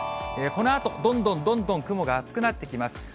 このあと、どんどんどんどん雲が厚くなってきます。